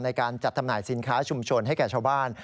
ในการจัดจำหน่ายสินค้าชุมชนให้แก่ชาวบ้าน